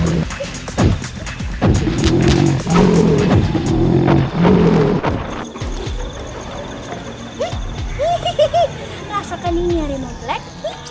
rasakan ini harimau black